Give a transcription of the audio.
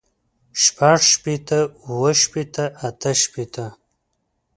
شپږ شپېته اووه شپېته اتۀ شپېته